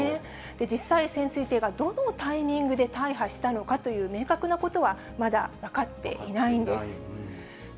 実際、潜水艇がどのタイミングで大破したのかという明確なことはまだ分かっていないんです。